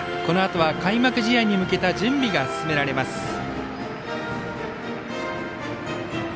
このあとは、開幕試合に向けた準備が進められます。